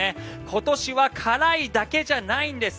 今年は辛いだけじゃないんです。